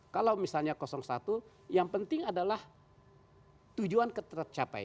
kalau misalnya satu yang penting adalah tujuan tercapai